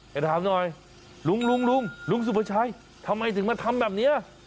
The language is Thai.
ให้ถามหน่อยลุงลุงซุปชัยทำไมถึงมาทำแบบนี้